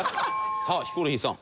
さあヒコロヒーさん。